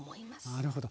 なるほど。